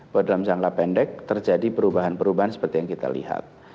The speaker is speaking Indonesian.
bahwa dalam jangka pendek terjadi perubahan perubahan seperti yang kita lihat